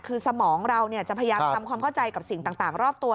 คือสมองเราจะพยายามทำความเข้าใจกับสิ่งต่างรอบตัว